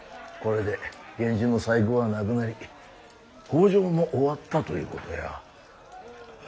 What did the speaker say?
これで源氏の再興はなくなり北条も終わったということよ。